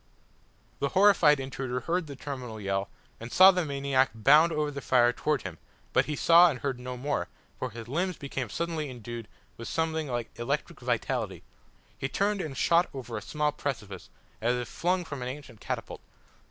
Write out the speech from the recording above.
The horrified intruder heard the terminal yell, and saw the maniac bound over the fire towards him, but he saw and heard no more, for his limbs became suddenly endued with something like electric vitality. He turned and shot over a small precipice, as if flung from an ancient catapult.